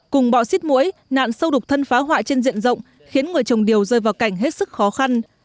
cùng bọ xít mũi nạn sâu đục thân phá hoại trên diện rộng khiến người trồng điều rơi vào cảnh hết sức khó khăn